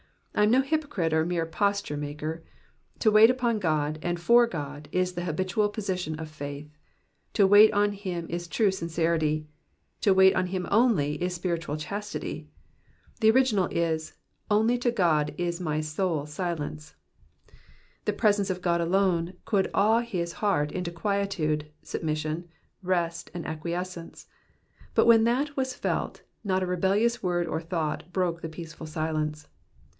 I am no hypocrite or mere posture maker. To wait upon God, and for God, is the habitual position of faith ; to wait on him truly is sincerity ; to wait on him only is spiritual chastity. The original is, only to God is my soul silence. ' The presence of God alone could awe his heart into quietude, submission, rest, and acquiescence ; but when that was felt, not a rebellious word or thought broke the peaceful silence.